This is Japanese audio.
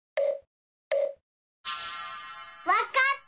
わかった！